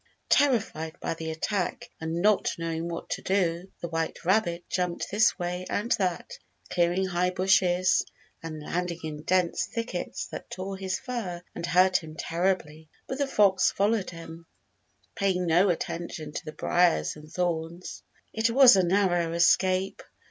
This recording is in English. Terrified by the attack, and not knowing what to do, the white rabbit jumped this way and that, clearing high bushes and landing in dense thickets that tore his fur and hurt him terribly. But the fox followed him, paying no attention to the briers and thorns. It was a narrow escape.